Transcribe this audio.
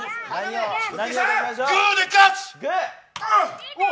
グーで勝つ！